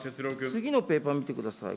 次のペーパー見てください。